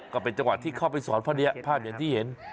ก็เป็นจังหวัดที่เข้าไปสอนพระเบียนที่เห็น